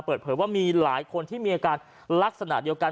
เปิดเผยว่ามีหลายคนที่มีอาการลักษณะเดียวกัน